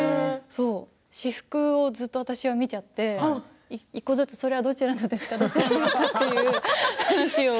私服をずっと私は見ちゃって１個ずつそれはどちらのですか？っていう話を。